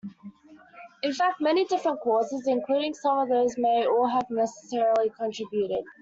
In fact, many different causes-including some of those-may all have necessarily contributed.